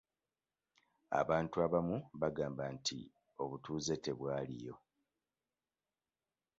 Abantu abamu baagamba nti obutuuze tebwaliyo.